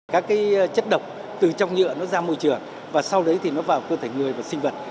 các chất độc từ trong nhựa nó ra môi trường và sau đấy thì nó vào cơ thể người và sinh vật